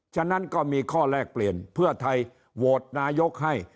ฉะนั้นก็มีข้อแลกเปลี่ยนเพื่อไทยโหวตนายกให้